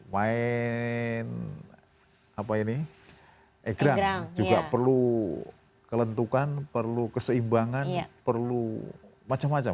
main apa ini egrang juga perlu kelentukan perlu keseimbangan perlu macam macam